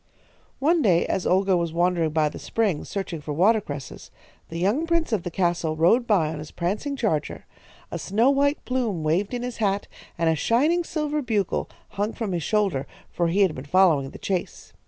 "One day as Olga was wandering by the spring, searching for watercresses, the young prince of the castle rode by on his prancing charger. A snow white plume waved in his hat, and a shining silver bugle hung from his shoulder, for he had been following the chase.